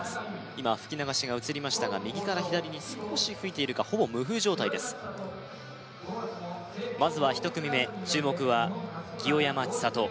今吹き流しが映りましたが右から左に少し吹いているかほぼ無風状態ですまずは１組目注目は清山ちさと